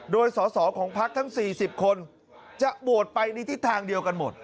โดยสอสอของพักทั้ง๔๐คนจะโหวตไปในทิศทางเดียวกันหมด